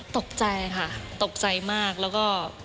ตกใจค่ะตกใจมากแล้วก็